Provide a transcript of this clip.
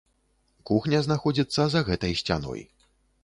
Кухня знаходзіцца за гэтай сцяной.